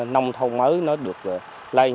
nông thông mới nó được lên